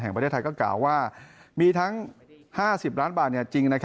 ประเทศไทยก็กล่าวว่ามีทั้ง๕๐ล้านบาทจริง